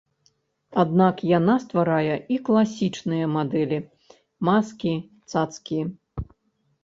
Аднак яна стварае і класічныя мадэлі, маскі, цацкі.